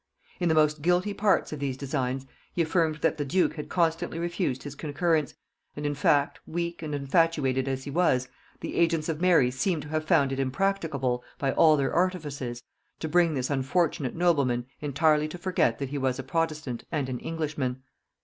In the most guilty parts of these designs he affirmed that the duke had constantly refused his concurrence; and in fact, weak and infatuated as he was, the agents of Mary seem to have found it impracticable, by all their artifices, to bring this unfortunate nobleman entirely to forget that he was a protestant and an Englishman.